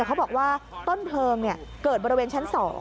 เขาบอกว่าต้นเพลิงเกิดบริเวณชั้น๒